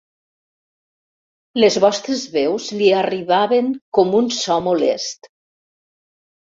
Les vostres veus li arribaven com un so molest.